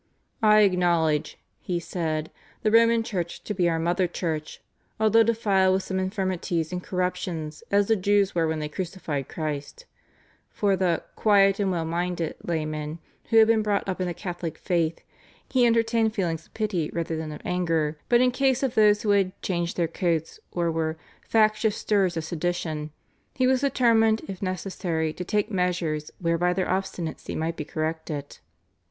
"I acknowledge" he said "the Roman Church to be our mother church although defiled with some infirmities and corruptions as the Jews were when they crucified Christ;" for the "quiet and well minded" laymen who had been brought up in the Catholic faith he entertained feelings of pity rather than of anger, but in case of those who had "changed their coats" or were "factious stirrers of sedition" he was determined if necessary to take measures whereby their obstinacy might be corrected.